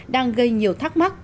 đang gây nhiều thắc mắc